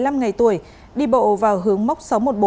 trong một mươi năm ngày tuổi đi bộ vào hướng mốc sáu trăm một mươi bốn